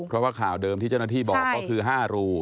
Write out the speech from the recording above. เพราะว่าข่าวเดิมที่เจ้าหน้าที่บอกก็คือ๕รู